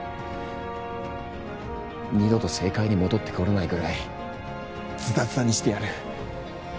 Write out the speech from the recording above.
二度と政界に戻ってこれないぐらいずたずたにしてやる。